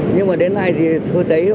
nhưng mà đến nay thì tôi thấy